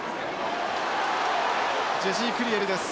ジェシークリエルです。